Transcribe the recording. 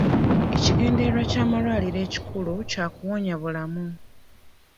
Ekigendererwa ky'amalwaliro ekikulu kya kuwonya bulamu.